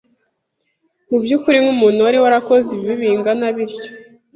mu by’ukuri nk’umuntu wari warakoze ibibi bingana bityo!